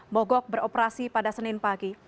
mogok beroperasi pada senin pagi